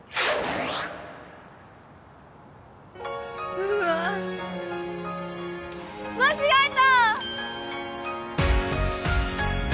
うわっ間違えた！